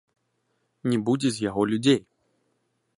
Не будзе з яго людзей.